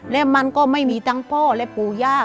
และมันก็ไม่มีทั้งพ่อและปู่ย่า